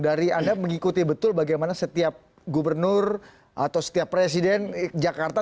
dari anda mengikuti betul bagaimana setiap gubernur atau setiap presiden jakarta